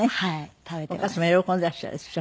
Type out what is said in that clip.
お母様喜んでいらっしゃるでしょ？